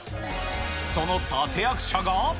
その立役者が。